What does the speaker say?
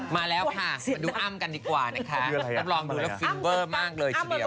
มาแล้วค่ะมาดูอ้ำกันดีกว่านะคะรับรองดูแล้วฟินเวอร์มากเลยทีเดียว